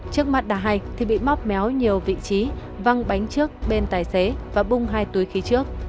trước mazda hai thì bị móc méo nhiều vị trí văng bánh trước bên tài xế và bung hai túi khí trước